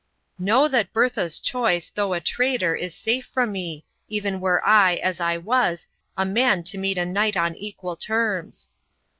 "Know that Bertha's choice, though a traitor, is safe from me, even were I, as I was, a man to meet a knight on equal terms."